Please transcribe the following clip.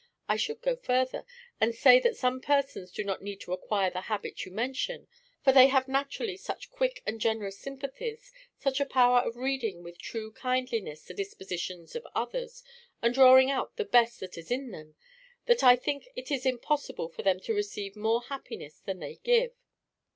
I should go further, and say that some persons do not need to acquire the habit you mention, for they have naturally such quick and generous sympathies, such a power of reading with true kindliness the dispositions of others, and drawing out the best that is in them, that I think it is impossible for them to receive more happiness than they give.